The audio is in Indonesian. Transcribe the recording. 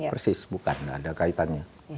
persis bukan ada kaitannya